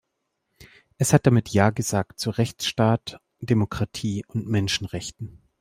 Es hat damit Ja gesagt zu Rechtsstaat, Demokratie und Menschenrechten.